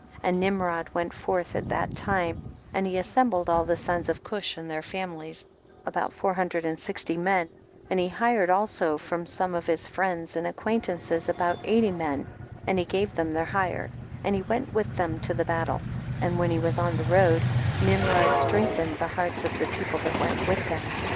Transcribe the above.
35. And Nimrod went forth at that time, and he assembled all the sons of Cush and their families, about four hundred and sixty men, and he hired also from some of his friends and acquaintances about eighty men, and he gave them their hire, and he went with them to bat tle, and when he was on the road, Nimrod strengthened the hearts of the people that went with him.